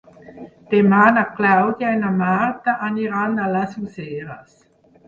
Demà na Clàudia i na Marta aniran a les Useres.